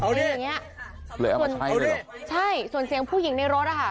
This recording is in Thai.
เหลือเอามาให้เลยเหรอใช่ส่วนเสียงผู้หญิงในรถอะค่ะ